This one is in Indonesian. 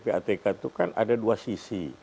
ppatk itu kan ada dua sisi